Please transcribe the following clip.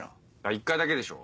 １回だけでしょ。